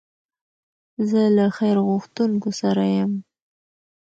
زه له خیر غوښتونکو سره یم.